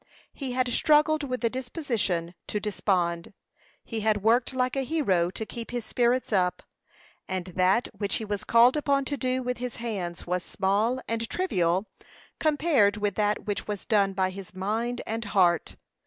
He had struggled with the disposition to despond; he had worked like a hero to keep his spirits up; and that which he was called upon to do with his hands was small and trivial compared with that which was done by his mind and heart.